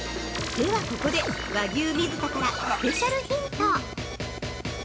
◆ではここで、和牛水田からスペシャルヒント！